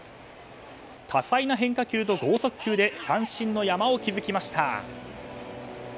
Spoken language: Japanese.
多彩な変化球と剛速球で三振の山を築きました。